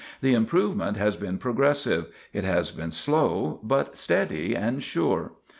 The improvement has been progressive; it has been slow, but steady and sure.